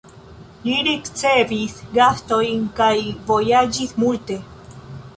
Li ricevis gastojn kaj vojaĝis multe.